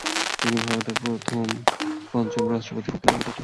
তিনি ভারতের পঞ্চম রাষ্ট্রপতি ফখরুদ্দিন আলি আহমেদের স্ত্রী।